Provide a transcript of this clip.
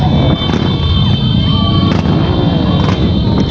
สวัสดีครับทุกคน